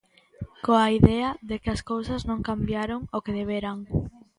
Coa idea de que as cousas non cambiaron o que deberan.